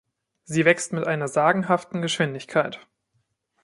Sie wächst mit einer sagenhaften Geschwindigkeit.